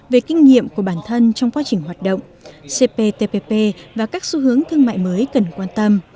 về kinh nghiệm của bản thân trong quá trình hoạt động cptpp và các xu hướng thương mại mới cần quan tâm